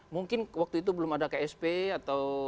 mungkin waktu itu belum ada ksp atau